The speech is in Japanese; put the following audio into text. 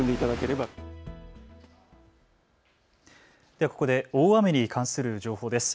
ではここで大雨に関する情報です。